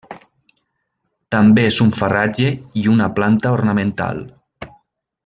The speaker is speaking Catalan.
També és un farratge i una planta ornamental.